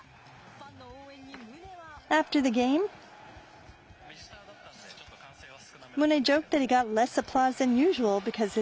ファンの応援に宗は。